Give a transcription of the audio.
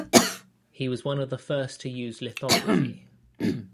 He was one of the first to use lithography.